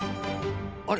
あれ？